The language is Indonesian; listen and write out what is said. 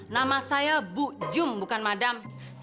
nama saya bu jum bukan madam